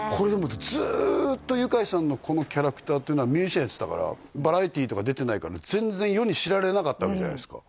ずっとユカイさんのこのキャラクターっていうのはミュージシャンやってたからバラエティーとか出てないから全然世に知られなかったわけじゃないですか